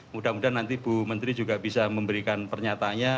mudah mudahan nanti bu menteri juga bisa memberikan pernyatanya